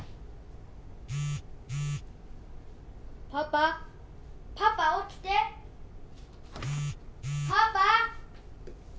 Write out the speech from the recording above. パパパパ起きてパパ！